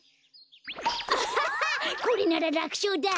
アハハこれなららくしょうだ。